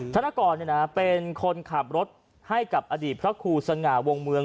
ธนกรเป็นคนขับรถให้กับอดีตพระครูสง่าวงเมือง